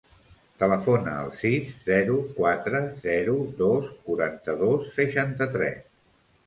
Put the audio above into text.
Telefona al sis, zero, quatre, zero, dos, quaranta-dos, seixanta-tres.